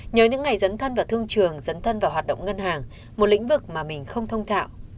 nhớ những ngày dấn thân và thương trường dấn thân vào hoạt động ngân hàng một lĩnh vực mà mình không thông thạo